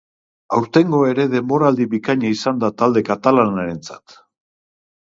Aurtengo ere denboraldi bikaina izan da talde katalanarentzat.